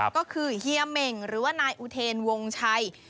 ก็คือเฮียเหม่งหรือว่านายอุเทนวงชัย